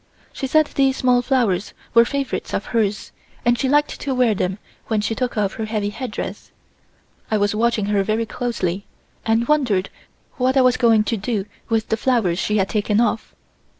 She said these small flowers were favorites of hers and she liked to wear them when she took off her heavy headdress. I was watching her very closely and wondered what I was going to do with the flowers she had taken off.